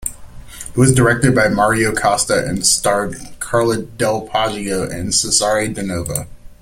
It was directed by Mario Costa and starred Carla Del Poggio and Cesare Danova.